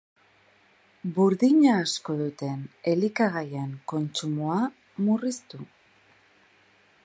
Burdina asko duten elikagaien kontsumoa murriztu.